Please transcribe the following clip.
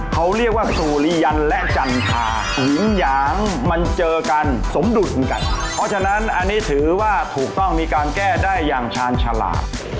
เขาเรียกว่าสุริยันและจันทาหินหยางมันเจอกันสมดุลเหมือนกันเพราะฉะนั้นอันนี้ถือว่าถูกต้องมีการแก้ได้อย่างชาญฉลาด